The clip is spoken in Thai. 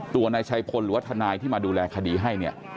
ตัวนายชัยพลหรือว่าทนายที่มาดูแลคดีให้เนี่ย